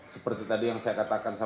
seperti tadi yang saya katakan